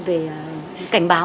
về cảnh báo